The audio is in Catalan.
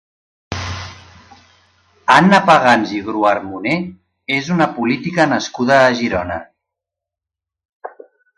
Anna Pagans i Gruartmoner és una política nascuda a Girona.